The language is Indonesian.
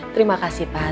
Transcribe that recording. terima kasih pak